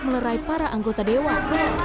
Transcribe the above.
melerai para anggota dewan